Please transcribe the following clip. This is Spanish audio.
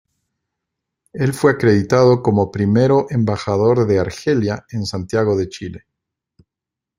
El fue acreditado como primero embajador de Argelia en Santiago de Chile.